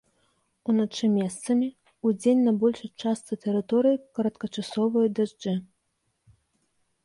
Уначы месцамі, удзень на большай частцы тэрыторыі кароткачасовыя дажджы.